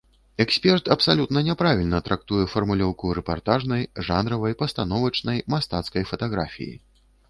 Эксперт абсалютна няправільна трактуе фармулёўку рэпартажнай, жанравай, пастановачнай, мастацкай фатаграфіі.